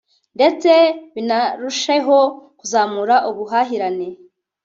ndetse binarusheho kuzamura ubuhahirane